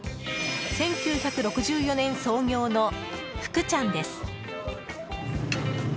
１９６４年創業の福ちゃんです。